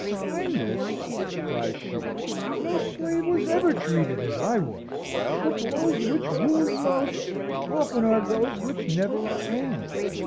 "Kindness!" cries she. "No slave was ever treated as I was. The blows which wound most, often are those which never are aimed.